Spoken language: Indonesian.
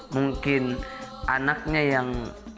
mungkin anaknya yang